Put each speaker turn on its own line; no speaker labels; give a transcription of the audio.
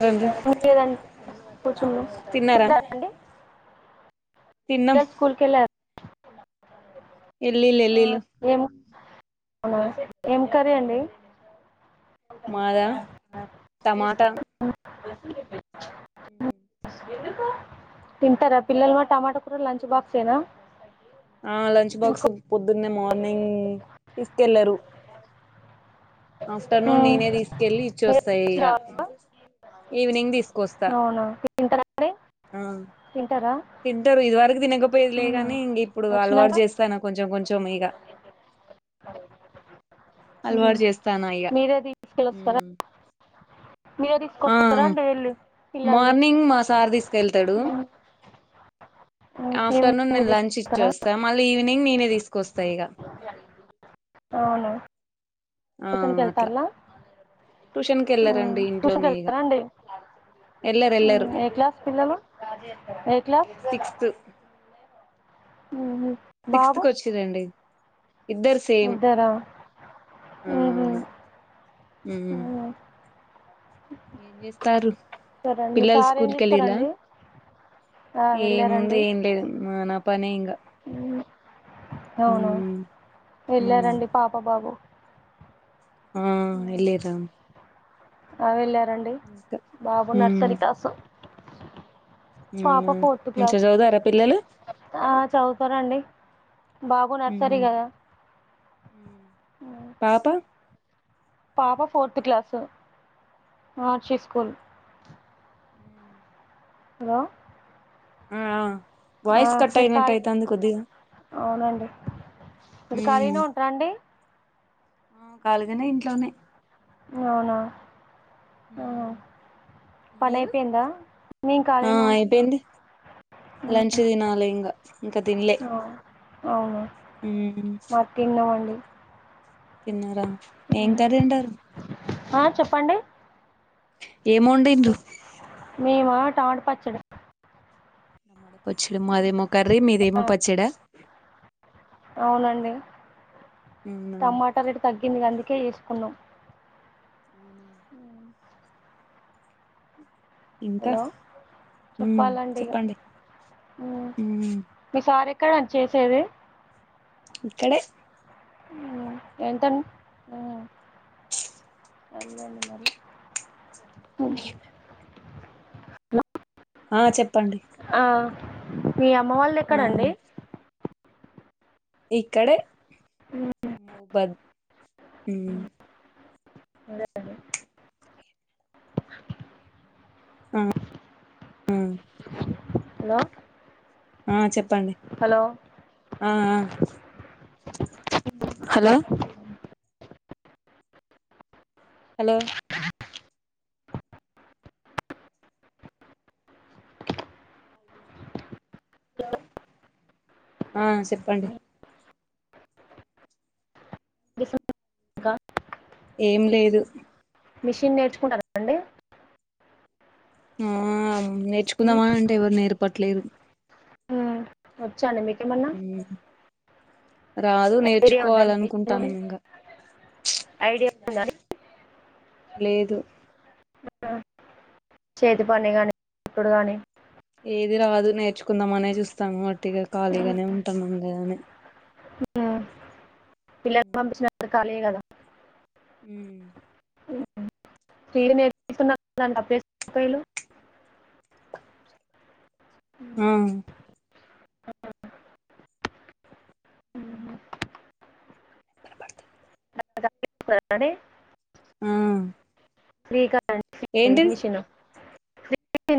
రండి
కూర్చుండి
తిన్నారా
తిన్నారండి
తిన్నాం
పిల్లలు స్కూల్కి వెళ్ళారు
ఇల్లిల్
ఆ,
ఇల్లిలు
ఏం అవునా ఏం కర్రీ అండి
మాద టమాటా
ఎ
ఉ
తింటరా పిల్లల్ మా టమాటా కూర లంచ్ బాక్స్ ఏనా.
ఆ లంచ్ బాక్స్ పో దున్నే మార్నింగ్ తీసుకెళ్లారు ఆఫ్టర్నూన్
ఉమ్.
నేనే తీసుకెళ్లి
మీరు
చోస్తా
వచ్చి
ఇగా
రావాలా?
ఈవినింగ్ తీసుకొస్తా
అవునా తింటారా అండి తింటారా
తింటారు ఇది వరకు తినకపోయేదిలే
ఉమ్.
గానీ ఇంగా ఇప్పుడు
వచ్చినాక
అలవాటు చేస్తాన కొంచెం కొంచెం ఇగ
ఉమ్.
అలవాటు చేస్తన్న ఇగ
మీరే తీసుకెళ్ళొస్తారా మీరే
ఆ
తీసుకొస్తారా అండి వెళ్ళి పిల్లల్ని
మార్నింగ్ మా సార్ తీసుకెళతాడు
ఉమ్. ఉమ్.
ఆఫ్టర్నూన్
ఈవినింగ్ మీరు
నేను లంచ్ ఇచ్చి
తీసుకొస్తారా
వస్తా మళ్ళీ ఈవినింగ్ నేనే తీసుకొస్తా ఇగ ఆ
ట్యూషన్కు
అట్లా
ఎల్తన్ల
ట్యూషన్ కి
ఉమ్
వెళ్లరండి
ట్యూషన్కు
ఇంట్లోనే ఇగ
వెళ్తారా అండి
ఎళ్లరు ఎళ్లరు
ఏ క్లాస్ పిల్లలు ఏ క్లాస్
సిక్స్త్
ఉహు
సిక్స్త్ కోచిందండి
ఇద్దర
ఆ
ఉహు
అవును ఉమ్
అవున
ఏం చేస్తారు
సరే అండి మీ
పిల్లలు
సార్ ఏం
స్కూల్కి ఎల్లిండ్ల
చేస్తారండి ఆ
ఏ ముంది ఏం లేదు మా నా పనే ఇంగ
ఉమ్ అవునా
ఉమ్ ఉమ్
వెళ్ళారండి పాప బాబు
ఆ ఎల్లిన్ర
అగల రండి బాబు
ఉమ్
నర్సరీ క్లాసు పాప
అవునా
ఫోర్త్
మంచిగ
క్లాస్
చదువుతారా పిల్లలు
ఆ చదువుతారండి బాబు నర్సరీ
ఉమ్
కదా ఉమ్.
పాప
పాప fourth class Maharshi school hello
ఆ ఆ
ఆ
వాయిస్ కట్
మీరు
అయినట్టు
ఖాళీ
అయితాంది కొద్దిగా
అవునండి మీరు
ఉమ్
ఖాళీనే ఉంటారండి
ఆ ఖలిగానే ఇంట్లోనే
అవునా ఆ పని
మీరు
అయిపోయిందా మేము
ఆ
ఖాళీనే ఉంటాం
అయిపోయింది లంచ్ తినాలి ఇంగా ఇంకా తినలే
ఆ అవును
ఉమ్
మరీతిన్నమండి
తిన్నార ఏం
ఉమ్.
కర్రీ వండారూ
ఆ చెప్పండి
ఏం వండిండ్రు
మేమా టమాటపచ్చడీ
టమాట పచ్చడ మాదేమో కర్రీ మీదేమో పచ్చడ
అవునండి
అవునా
టమాటా రెటు తగ్గింది గండి అందుకే ఎసుకున్నాం ఉ
ఇంకా
హలో
ఉమ్
చెప్పాలండిగ
చెప్పండి
ఉమ్ మీ సార్ ఎక్కడ అండ్ చేసేది
ఇక్కడే
ఉమ్ ఎంత ఉమ్ ఏంది అండి మరి
ఆ చెప్పండి
ఆ మీ అమ్మ వల్ది
ఆ
ఎక్కడండి?
ఇక్కడే మౌబద్ ఉమ్
[unintelligible] అండి
ఆ ఆ
హలో
ఆ చెప్ ప్పండి
హలో
ఆ ఆ హలో హలో హలో ఆ చెప్పండి
ఇంకా
ఏం లేదు
మిషిన్ నేర్చుకుంటారండి?
ఆ నేర్చుకుందామా అంటే ఎవరు నేర్పట్లేరు.
వచ్చాండి మీక్
ఉహ్ ఉమ్ రాదు
ఐడియా ఉందా మీ స్కూల్
నేర్చుకోవాలనుకుంటానమింగ
ఐడియా ఉందా అండి?
లేదు
ఆ చేతి పని కానీ ఇప్పుడు గానీ
ఏది రాదు నేర్చుకుందామ అనే చూస్తాము ఉతిగా ఖాళీగానే ఉంటాం ఈగ అవును
పిల్లలని పంపించిన తరువాత ఖాళీయే కదా?
ఉమ్
స్త్రీలు నేర్పిస్తున్నారు కదా అప్పుయిలు
ఆ
[unintelligible]
ఆ
శ్రీకా మంచి
ఏంటిది
మిషను